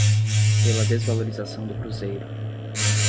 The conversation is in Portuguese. pela desvalorização do cruzeiro